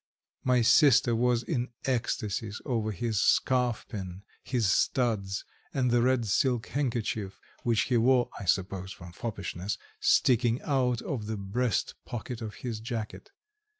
My sister was in ecstasies over his scarfpin, his studs, and the red silk handkerchief which he wore, I suppose from foppishness, sticking out of the breast pocket of his jacket.